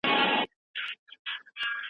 ما بيا وليدی ځان څومره پېروز په سجده کې